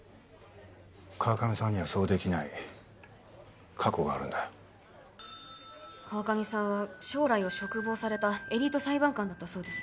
川上さんにはそうできない過去があるんだ川上さんは将来を嘱望されたエリート裁判官だったそうです